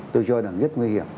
tôi cho rằng rất nguy hiểm